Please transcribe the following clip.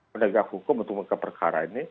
menegak hukum untuk menguka perkara ini